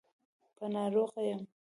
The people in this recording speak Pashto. په ناروغه يم.